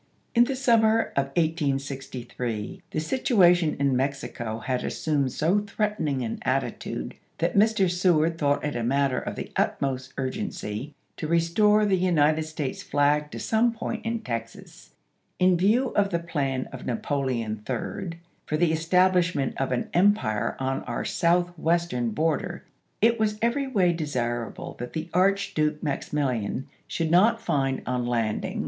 In the summer of 1863 the situation in Mexico had assumed so threatening an attitude that Mr. Seward thought it a matter of the utmost urgency to restore the United States flag to some point in Texas. In view of the plan of Napoleon III. for the establishment of an empire on our Southwest ern border, it was every way desii able that the Archduke Maximilian should not find, on landing Halleck to Banks, Aug. 10, 1863. W. R.